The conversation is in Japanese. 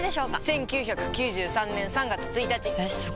１９９３年３月１日！えすご！